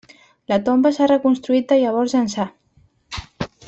La tomba s'ha reconstruït de llavors ençà.